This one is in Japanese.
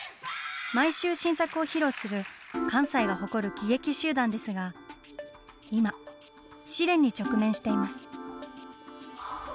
毎週新作を披露する、関西が誇る喜劇集団ですが、今、試練に直面しています。